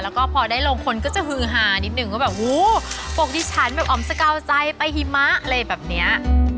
แล้วก็พอได้ลงคนก็จะฮือฮานิดนึงว่าแบบหูปกดิฉันแบบอ๋อมสกาวใจไปหิมะอะไรแบบเนี้ย